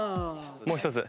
もう一つ。